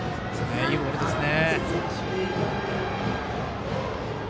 いいボールですね。